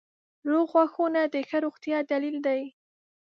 • روغ غاښونه د ښه روغتیا دلیل دی.